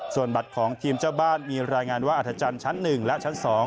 ส่วนบัตรของทีมเจ้าบ้านมีรายงานว่าอัธจันทร์ชั้น๑และชั้น๒